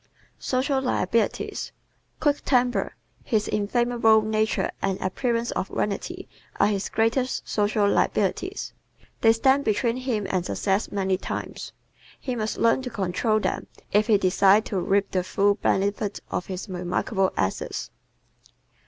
Social Liabilities ¶ Quick temper, his inflammable nature and appearances of vanity are his greatest social liabilities. They stand between him and success many times. He must learn to control them if he desires to reap the full benefit of his remarkable assets.